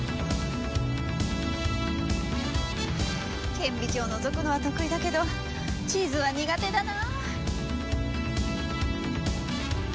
顕微鏡を覗くのは得意だけど地図は苦手だな。